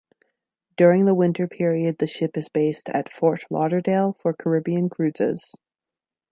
During the winter period the ship is based at "Fort Lauderdale" for Caribbean cruises.